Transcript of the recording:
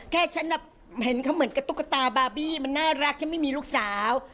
แค่ฉันเห็นเขาเหมือนกับตุ๊กตาบาร์บี้มันน่ารักฉันไม่มีลูกสาว